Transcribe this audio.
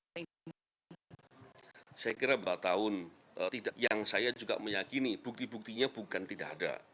saya kira dua tahun yang saya juga meyakini bukti buktinya bukan tidak ada